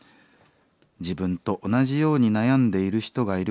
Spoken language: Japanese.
「自分と同じように悩んでいる人がいること。